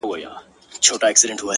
ه ياره کندهار نه پرېږدم،